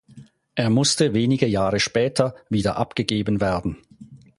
Er musste wenige Jahre später wieder abgegeben werden.